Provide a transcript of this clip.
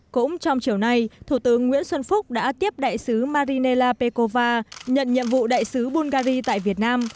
cũng trong chiều nay thủ tướng nguyễn xuân phúc đã tiếp đại sứ marinela pekova nhận nhiệm vụ đại sứ bulgari tại việt nam